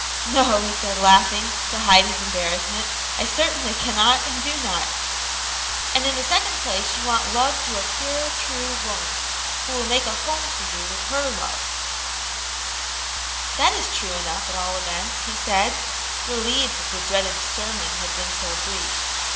" No," he said, laughing, to hide his embarrass ment; "I certainly cannot and do not." "And in the second place you want love to a pure, true woman, who will make a home for you with her love." 30 Aunt Jane's Hero. " That IS true enough, at all events," he said, re lieved that the dreaded "sermon" had been so brief.